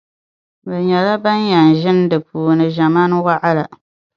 Bɛ nyɛla ban yɛn ʒini di puuni ʒemana waɣila.